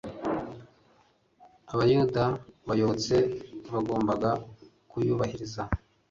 Abayuda bayobotse bagombaga kuyubahiriza.